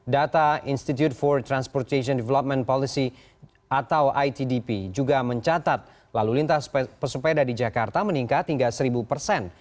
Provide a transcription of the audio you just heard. data institute for transportation development policy atau itdp juga mencatat lalu lintas pesepeda di jakarta meningkat hingga seribu persen